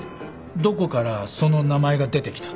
どこからその名前が出てきた？